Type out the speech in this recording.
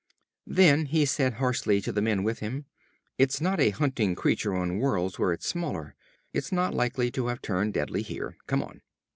Then he said harshly to the men with him; "It's not a hunting creature on worlds where it's smaller. It's not likely to have turned deadly here. Come on!"